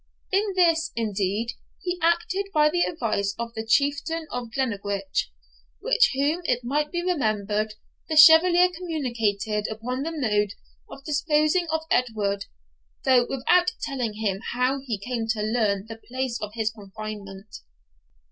In this, indeed, he acted by the advice of the Chieftain of Glennaquoich, with whom it may be remembered the Chevalier communicated upon the mode of disposing of Edward, though without telling him how he came to learn the place of his confinement.